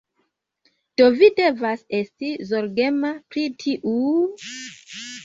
Do vi devas esti zorgema pri tiu...